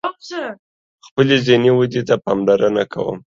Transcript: خپلی ذهنی ودي ته پاملرنه کوم